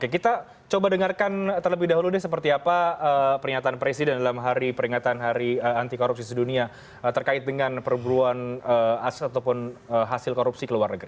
kita coba dengarkan terlebih dahulu deh seperti apa pernyataan presiden dalam hari peringatan hari anti korupsi sedunia terkait dengan perburuan aset ataupun hasil korupsi ke luar negeri